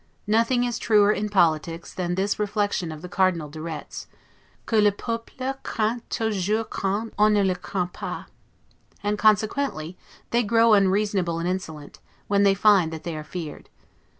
Nothing is truer in politics, than this reflection of the Cardinal de Retz, 'Que le peuple craint toujours quand on ne le craint pas'; and consequently they grow unreasonable and insolent, when they find that they are feared.